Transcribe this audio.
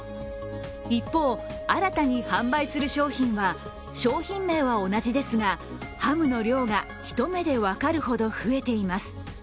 一方、新たに販売する商品は商品名は同じですがハムの量がひと目で分かるほど増えています。